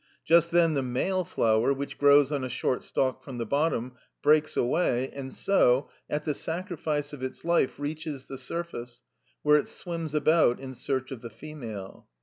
Just then the male flower, which grows on a short stalk from the bottom, breaks away, and so, at the sacrifice of its life, reaches the surface, where it swims about in search of the female.